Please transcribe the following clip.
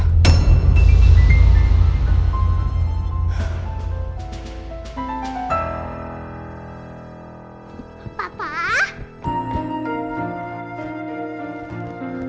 gak ada apa apa